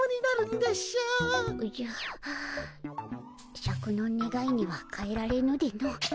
シャクのねがいには代えられぬでの。